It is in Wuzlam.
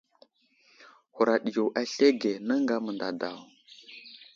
Huraɗ yo aslege, nəŋga mənday daw.